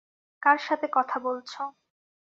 কার সাথে কথা বলছ?